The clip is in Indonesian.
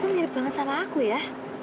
aku mirip banget sama aku ya